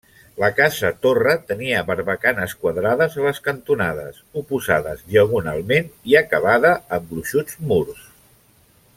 La casa-torre tenia barbacanes quadrades a les cantonades oposades diagonalment i acabada amb gruixuts murs.